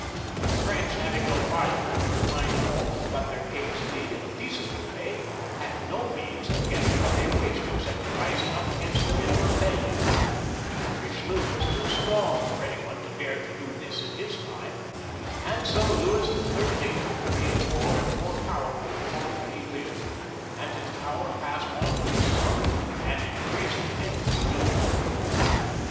The French, having no parliament to flpd fault with what their kings did in a peaceable way, had no means of getting what they wished except rising up against them in a rebellion ; but Eichelieu was too strong for any one to dare to do this in his time, and so Louis XIII. became more and more powerful the longer he lived, and his power passed on to his son and increased with him still more.